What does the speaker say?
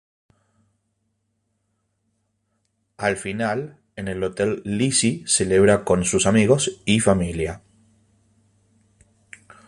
Al final, en el hotel Lizzie celebra con sus amigos y familia.